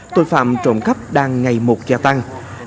tội phạm trộm cắp đang ngày một gia tăng